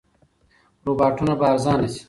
روباټونه به ارزانه شي.